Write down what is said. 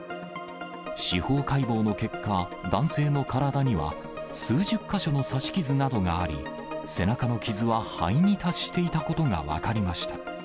司法解剖の結果、男性の体には、数十か所の刺し傷などがあり、背中の傷は肺に達していたことが分かりました。